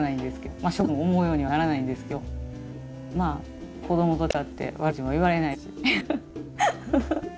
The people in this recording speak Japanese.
まあ植物も思うようにはならないんですけどまあねっ子供と違って悪口も言われないですし。